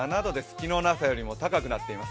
昨日の朝よりも高くなっています。